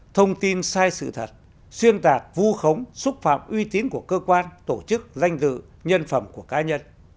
thông tin sai sự thật xuyên tạc vu khống xúc phạm uy tín của cơ quan tổ chức danh dự nhân phẩm của cá nhân